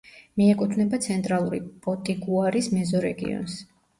მიეკუთვნება ცენტრალური პოტიგუარის მეზორეგიონს.